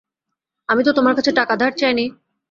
আমি তো তোমার কাছে টাকা ধার চাই নি।